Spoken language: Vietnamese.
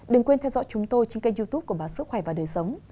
đừng quên theo dõi chúng tôi trên kênh youtube của báo sức khỏe và đời sống